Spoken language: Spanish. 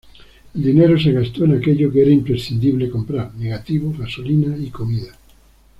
El dinero se gastó en aquello que era imprescindible comprar: negativo, gasolina y comida.